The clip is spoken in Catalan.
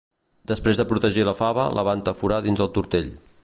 Després de protegir la fava, la va entaforar dins el tortell.